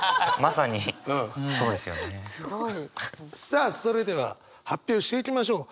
さあそれでは発表していきましょう。